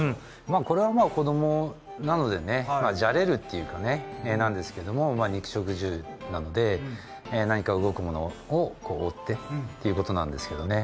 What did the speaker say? これは子供なのでね、じゃれるというかね、肉食獣なので、何か動くものを追ってということなんですけどね。